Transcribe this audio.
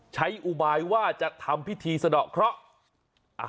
อุบายว่าจะทำพิธีสะดอกเคราะห์